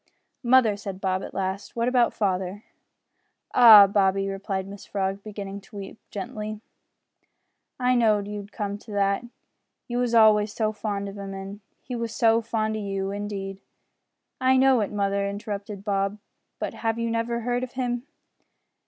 "Mother," said Bob, at last, "what about father?" "Ah! Bobby," replied Mrs Frog, beginning to weep, gently, "I know'd ye would come to that you was always so fond of 'im, an' he was so fond o' you too, indeed " "I know it, mother," interrupted Bob, "but have you never heard of him?"